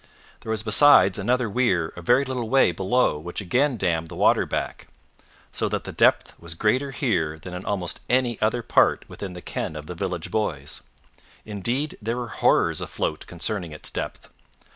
There was besides another weir a very little way below which again dammed the water back; so that the depth was greater here than in almost any other part within the ken of the village boys. Indeed there were horrors afloat concerning its depth.